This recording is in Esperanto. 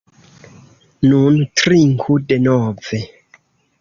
Nun, trinku denove.